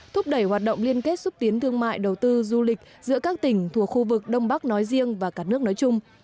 thúc đẩy hoạt động liên kết xúc tiến thương mại đầu tư du lịch giữa các tỉnh thuộc khu vực đông bắc nói riêng và cả nước nói chung